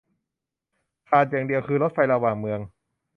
ขาดอย่างเดียวคือรถไฟระหว่างเมือง